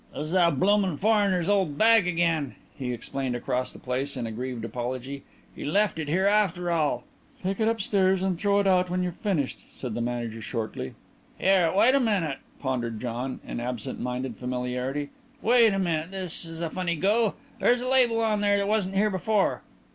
"It's that bloomin' foreigner's old bag again," he explained across the place in aggrieved apology. "He left it here after all." "Take it upstairs and throw it out when you've finished," said the manager shortly. "Here, wait a minute," pondered John, in absent minded familiarity. "Wait a minute. This is a funny go. There's a label on that wasn't here before.